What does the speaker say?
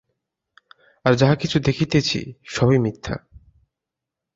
আর যাহা কিছু দেখিতেছি, সবই মিথ্যা।